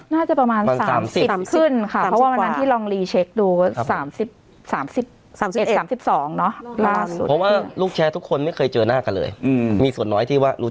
น่าจะประมาณ๓๐ขึ้นค่ะเพราะว่าวันนั้นที่ลองรีเช็คดู